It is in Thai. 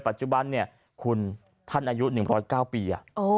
ปัจจุบันเนี่ยคุณท่านอายุ๑๐๙ปี